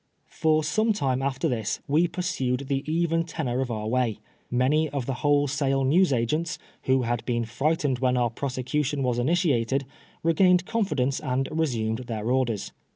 For some time after this we pursued the even tenor of our way. Many of the wholesale newsagents, who had been frightened when our prosecution was initiated, regained confidence and resumed their orders.